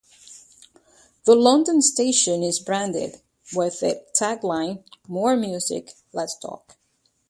The London station is branded with the tagline, "More music, less talk".